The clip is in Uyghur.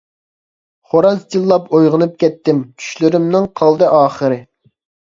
خوراز چىللاپ ئويغىنىپ كەتتىم، چۈشلىرىمنىڭ قالدى ئاخىرى.